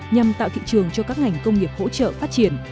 nhằm tạo thị trường cho các ngành công nghiệp hỗ trợ phát triển